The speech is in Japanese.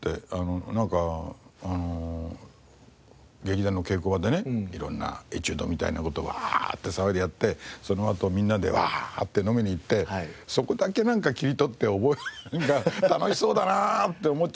なんか劇団の稽古場でね色んなエチュードみたいな事をワーッて騒いでやってそのあとみんなでワーッて飲みに行ってそこだけなんか切り取って楽しそうだなって思っちゃって。